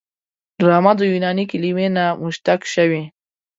ډرامه د یوناني کلمې نه مشتق شوې.